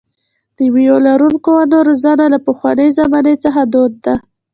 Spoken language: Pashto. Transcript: د مېوه لرونکو ونو روزنه له پخوانۍ زمانې څخه دود ده.